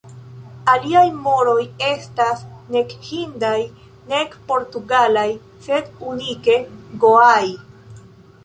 Aliaj moroj estas nek hindaj nek portugalaj, sed unike goaaj.